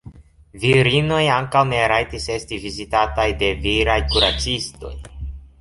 Virinoj ankaŭ ne rajtis esti vizitataj de viraj kuracistoj.